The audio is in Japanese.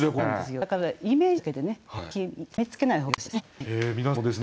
だからイメージだけで決めつけない方がよろしいですね。